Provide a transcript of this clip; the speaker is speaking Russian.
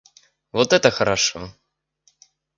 Вот это хорошо!